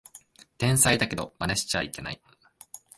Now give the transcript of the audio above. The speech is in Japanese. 天才だけどマネしちゃいけない